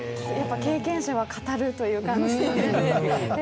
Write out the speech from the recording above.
経験者は語るという感じで。